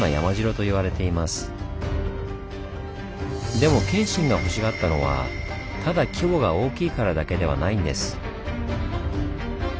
でも謙信がほしがったのはただ規模が大きいからだけではないんです。